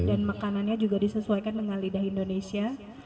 dan makanannya juga disesuaikan dengan lidah indonesia